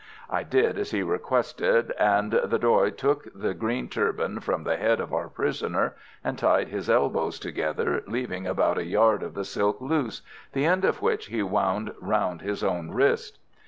I did as he requested, and the Doy took the green turban from the head of our prisoner, and tied his elbows together, leaving about a yard of the silk loose, the end of which he wound round his own wrist.